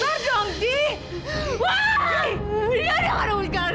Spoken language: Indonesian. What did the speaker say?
ya tuhan sayangnya saya benar